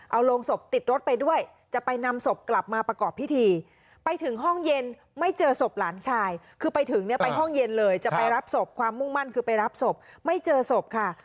เอาโรงศพติดรถไปด้วยจะไปนำศพกลับมาประกอบพิธีไปถึงห้องเย็นไม่เจอศพหลานชายคือไปถึงเนี่ยไปห้องเย็นเลยจะไปรับศพความมุ่งมั่นคือไปรับศพไม่เจอศพค่ะ